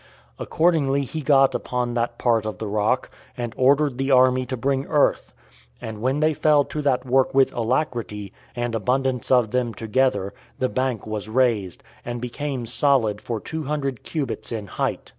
Accordingly, he got upon that part of the rock, and ordered the army to bring earth; and when they fell to that work with alacrity, and abundance of them together, the bank was raised, and became solid for two hundred cubits in height.